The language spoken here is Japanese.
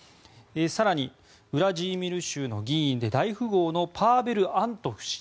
更に、ウラジーミル州の議員で大富豪のパーベル・アントフ氏。